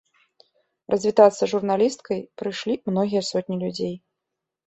Развітацца з журналісткай прыйшлі многія сотні людзей.